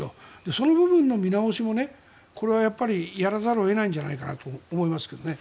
その部分の見直しもこれはやっぱりやらざるを得ないんじゃないかなと思いますけどね。